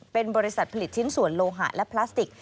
เป็นบริษัทผลิตชิ้นส่วนโลหะและพลาสติก